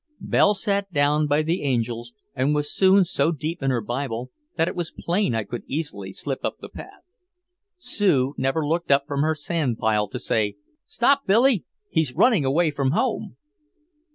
Belle sat down by the angels and was soon so deep in her Bible that it was plain I could easily slip up the path. Sue never looked up from her sand pile to say, "Stop Billy! He's running away from home!"